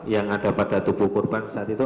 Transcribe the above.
yang ada pada tubuh korban saat itu